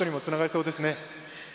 そうですね。